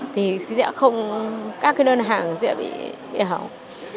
thì sẽ không các cái đơn hàng sẽ bị hỏng